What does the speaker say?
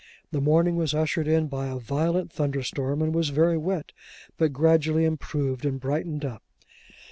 The morning was ushered in by a violent thunderstorm, and was very wet, but gradually improved and brightened up.